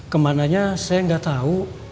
ke mananya saya nggak tahu